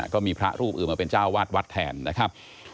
ก็มีพระรูปอื่นมาเป็นเจ้าวาดวัดแทนนะครับ